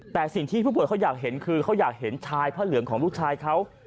แต่สิ่งที่ผู้ป่วยเขาอยากเห็นคือเขาอยากเห็นชายพระเหลืองของลูกชายเขา